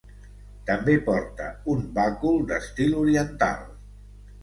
També porta un bàcul d'estil oriental.